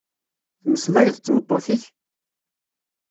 Tmeslayeḍ d tmeṭṭut-ik?